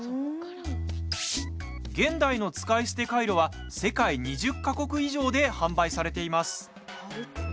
現代の使い捨てカイロは世界２０か国以上で販売されています。